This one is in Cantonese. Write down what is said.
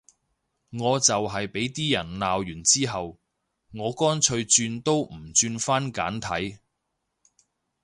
我就係畀啲人鬧完之後，我乾脆轉都唔轉返簡體